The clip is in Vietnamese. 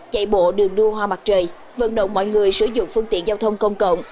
chạy bộ đường đua hoa mặt trời vận động mọi người sử dụng phương tiện giao thông công cộng